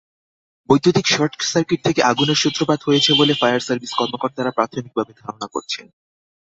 বৈদ্যুতিক শর্টসার্কিট থেকে আগুনের সূত্রপাত হয়েছে বলে ফায়ার সার্ভিস কর্মকর্তারা প্রাথমিকভাবে ধারণা করছেন।